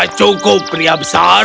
baiklah cukup pria besar